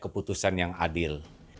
keputusan yang adil